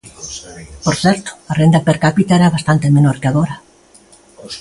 Por certo, a renda per cápita era bastante menor que agora.